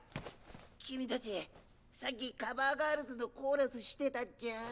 君たちさっきカバー・ガールズのコーラスしてたっチュン？